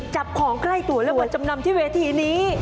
จับของใกล้ตัวแล้วมาจำนำที่เวทีนี้